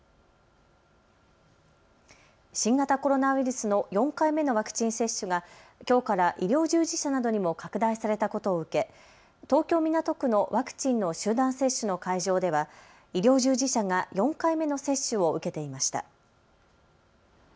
新型コロナウイルスの４回目のワクチン接種がきょうから医療従事者などにも拡大されたことを受け東京港区のワクチンの集団接種の会場では医療従事者が４回目の接種を受けていました。